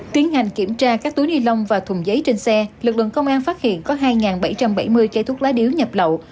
tiến hành kiểm tra các túi ni lông và thùng giấy trên xe lực lượng công an phát hiện có hai bảy trăm bảy mươi cây thuốc lá điếu nhập lậu